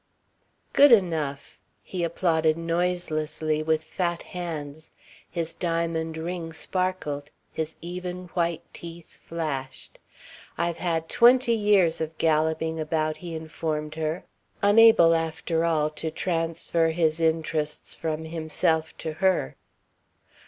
"Good enough!" He applauded noiselessly, with fat hands. His diamond ring sparkled, his even white teeth flashed. "I've had twenty years of galloping about," he informed her, unable, after all, to transfer his interests from himself to her.